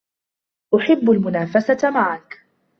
احب المنافسه معك.